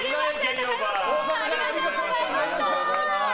高山さんありがとうございました。